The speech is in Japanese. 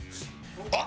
あっ！